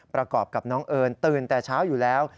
ประกอบกับน้องเอิญตื่นแต่เช้าอยู่แล้ว